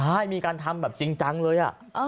ใช่มีการทำแบบจริงจังเลย